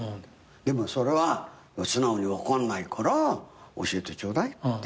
でもそれは素直に分かんないから教えてちょうだいっていう。